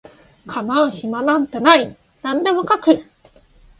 構う暇なんてない何でも描く